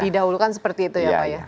di dahulu kan seperti itu ya pak ya